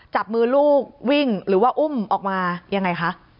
จับมือลูกวิ่งหรือว่าอุ้มออกมายังไงคะ